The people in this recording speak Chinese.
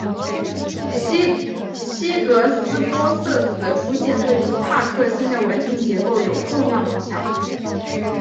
希格斯玻色子的出现对于夸克星的稳定结构有重要的影响。